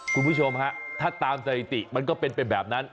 คุณผู้ชมฮะถ้าตามสถิติมันก็เป็นไปแบบนั้น